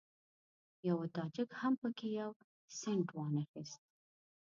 یوه تاجک هم په کې یو سینټ وانخیست.